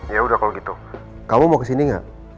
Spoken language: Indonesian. ya udah kalau gitu kamu mau kesini gak